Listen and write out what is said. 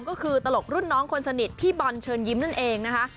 ก็คือตลกรุ่นน้องคนสนิทพี่บอลเชิญยิ้มนั่นเองนะคะ